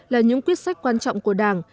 là những quyết sách quan trọng của đảng